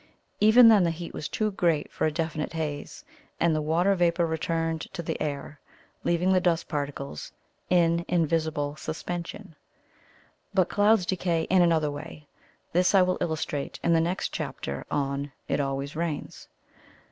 Even then the heat was too great for a definite haze, and the water vapour returned to the air, leaving the dust particles in invisible suspension. But clouds decay in another way. This I will illustrate in the next chapter on "It always rains."